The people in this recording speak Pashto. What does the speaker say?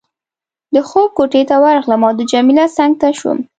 د خوب کوټې ته ورغلم او د جميله څنګ ته شوم.